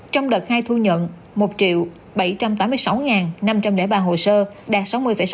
trong đợt hai thu nhận một bảy trăm tám mươi sáu năm trăm linh ba hồ sơ đạt sáu mươi sáu